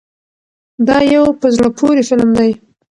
دا یو په زړه پورې فلم دی.